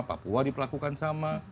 papua diperlakukan sama